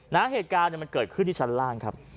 เหตุการณ์มันเกิดขึ้นที่ชั้นล่างครับ